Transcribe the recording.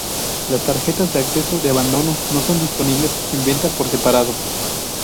Las tarjetas de acceso de abonado no son disponibles en venta por separado.